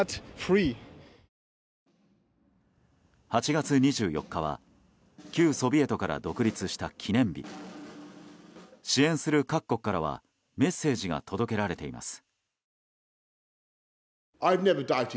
８月２４日は旧ソビエトから独立した記念日。支援する各国からはメッセージが届けられています。